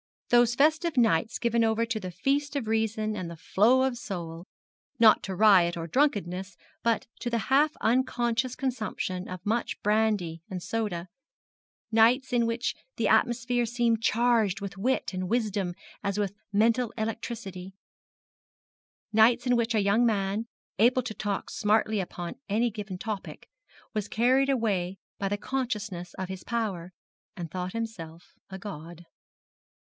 Those festive nights given over to the feast of reason and the flow of soul not to riot or drunkenness, but to the half unconscious consumption of much brandy and soda nights in which the atmosphere seemed charged with wit and wisdom as with mental electricity nights in which a young man, able to talk smartly upon any given topic, was carried away by the consciousness of his power, and thought himself a god.